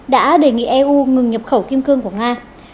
đã đề nghị eu ngừng nhập khẩu kim cương của nga